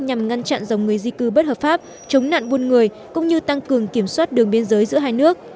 nhằm ngăn chặn dòng người di cư bất hợp pháp chống nạn buôn người cũng như tăng cường kiểm soát đường biên giới giữa hai nước